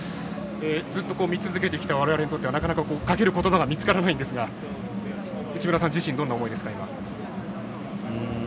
ずっと見続けてきたわれわれにとってはなかなかかけることばが見つからないんですが内村さん自身どんな思いですか？